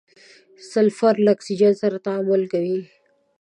سلفر له اکسیجن سره تعامل کوي.